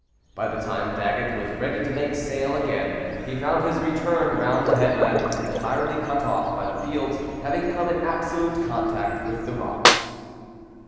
By the time Daggett was ready to make sail again, he found his return round the headland was entirely cut off, by the field's having come in absolute contact with the rocks.